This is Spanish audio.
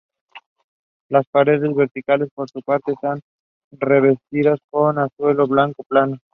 Las paredes verticales, por su parte, están revestidas con un azulejo blanco plano.